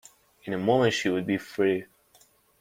In a moment she would be free.